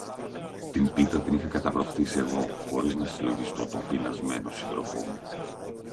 Την πίτα την είχα καταβροχθίσει εγώ, χωρίς να συλλογιστώ τον πεινασμένο σύντροφο μου